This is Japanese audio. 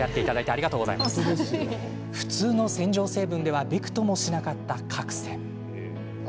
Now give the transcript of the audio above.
普通の洗浄成分ではびくともしなかった角栓。